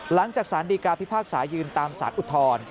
หลังจากสารดีกาพิพากษายืนตามสารอุทธรณ์